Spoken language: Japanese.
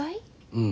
うん。